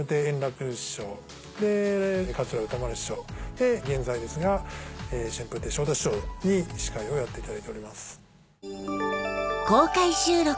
で現在ですが春風亭昇太師匠に司会をやっていただいております。